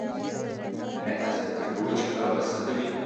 ايا تاسو فکر کوي چې هغه به سه کوئ